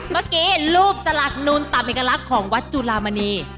เมื่อกี้รูปสลักนุนตามเอกลักษณ์ของวัดจุลามณี